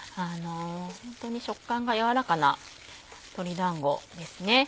ホントに食感が軟らかな鶏だんごですね。